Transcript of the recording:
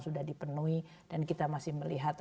sudah dipenuhi dan kita masih melihat